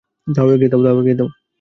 দাও এগিয়ে দাও।